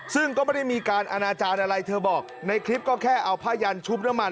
ซึ่งก็ไม่ได้มีการอนาจารย์อะไรเธอบอกในคลิปก็แค่เอาผ้ายันชุบน้ำมัน